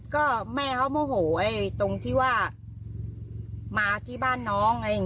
ก็แม่เขาโมโหตรงที่ว่ามาที่บ้านน้องอะไรอย่างนี้